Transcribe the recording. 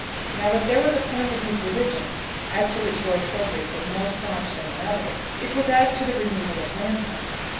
Now, if there was a point in his religion as to which Lord Trowbridge was more staunch than another, it was as to the removal of landmarks.